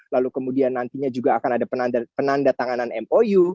lalu kemudian nantinya juga akan ada penanda tanganan mou